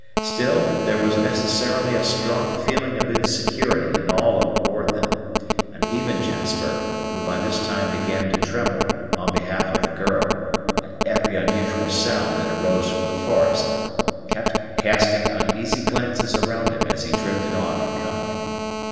Still, there was necessarily a strong feeling of insecurity in all on board them; and even Jasper, who by this time began to tremble, in behalf of the girl, at every unusual sound that arose from the forest, kept casting uneasy glances around him as he drifted on in company.